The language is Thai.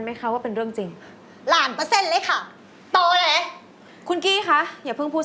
มันหายไปจากโดนนี่แล้วต่อล้อมไปก็ว้สาวเนี่ย